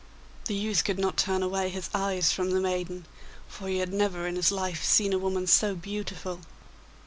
The youth could not turn away his eyes from the maiden, for he had never in his life seen a woman so beautiful.